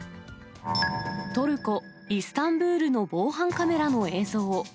トルコ・イスタンブールの防犯カメラの映像。